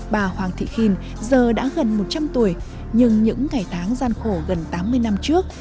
bà hoàng thị khin giờ đã gần một trăm linh tuổi nhưng những ngày tháng gian khổ gần tám mươi năm trước